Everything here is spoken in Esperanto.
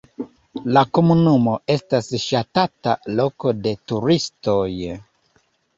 La komunumo estas ŝatata loko de turistoj.